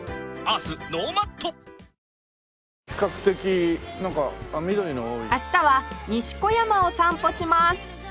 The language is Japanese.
明日は西小山を散歩します